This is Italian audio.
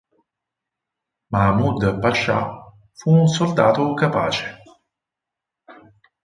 Mahmud Pascià fu un soldato capace.